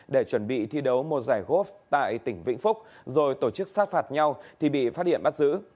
để chuẩn bị thi đấu một giải góp tại tỉnh vĩnh phúc rồi tổ chức sát phạt nhau thì bị phát hiện bắt giữ